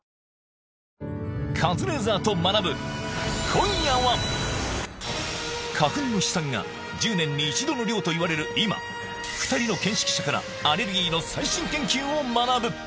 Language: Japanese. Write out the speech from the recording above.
今夜は花粉の飛散が１０年に一度の量といわれる今２人の見識者からアレルギーの最新研究を学ぶ